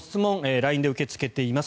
ＬＩＮＥで受け付けています。